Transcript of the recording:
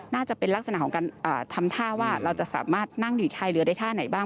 น่าจะเป็นลักษณะของการทำท่าว่าเราจะสามารถนั่งอยู่ท้ายเรือได้ท่าไหนบ้าง